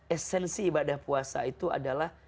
esensi ibadah puasa itu adalah